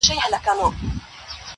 تر هرڅه سخت امتحان دی-